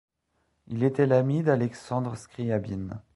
Il était l’ami d’Alexandre Scriabine.